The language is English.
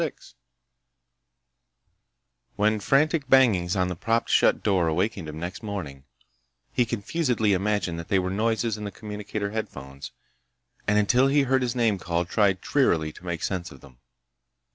VI When frantic bangings on the propped shut door awakened him next morning, he confusedly imagined that they were noises in the communicator headphones, and until he heard his name called tried drearily to make sense of them.